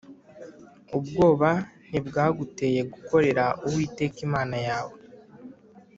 Ubwoba ntibwaguteye gukorera Uwiteka Imana yawe